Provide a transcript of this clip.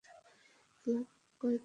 Club কটার সময় খোলে?